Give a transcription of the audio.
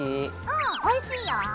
うんおいしいよ！